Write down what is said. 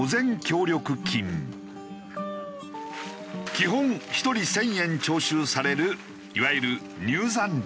基本１人１０００円徴収されるいわゆる入山料だ。